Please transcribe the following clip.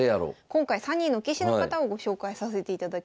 今回３人の棋士の方をご紹介させていただきます。